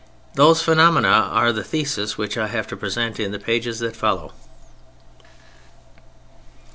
Those phenomena are the thesis which I have to present in the pages that follow.